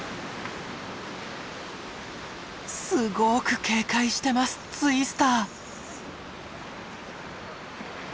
すごく警戒してますツイスター。